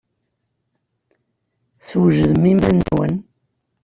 Swejdem iman-nwen!